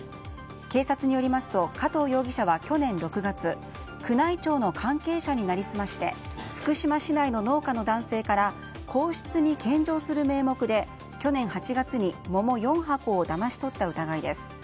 警察によりますと加藤容疑者は去年６月宮内庁の関係者に成り済まして福島市内の農家の男性から皇室に献上する名目で去年８月に桃４箱をだまし取った疑いです。